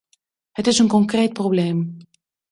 Het is een concreet probleem.